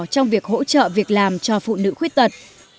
trong việc hỗ trợ việc làm cho phụ nữ khuyết tật